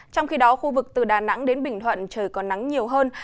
trong khi đó khu vực từ đà nẵng đến bình thuận trời có nắng nhiều hơn